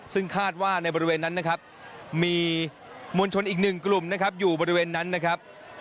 ซึ่งคาดว่าในบริเวณนั้นนะครับมีมวลชนอีกหนึ่งกลุ่มนะครับอยู่บริเวณนั้นนะครับ